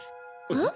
えっ？